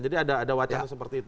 jadi ada wacana seperti itu